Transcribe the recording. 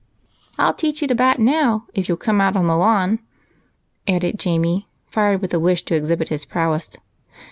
I'll teach you to bat now if you'll come out on the lawn," added Jamie, fired with a wish to exhibit his prowess.